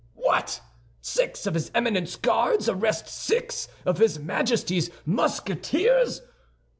"What! Six of his Eminence's Guards arrest six of his Majesty's Musketeers!